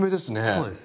そうですね。